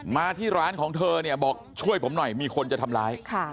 มาที่ร้านของเธอเนี่ยบอกช่วยผมหน่อยมีคนจะทำร้าย